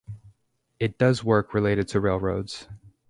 It does work related to railroads.